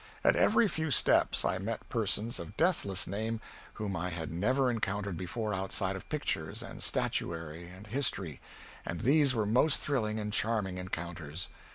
At every few steps I met persons of deathless name whom I had never encountered before outside of pictures and statuary and history, and these were most thrilling and charming encounters.